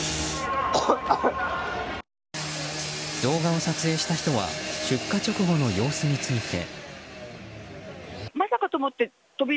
動画を撮影した人は出火直後の様子について。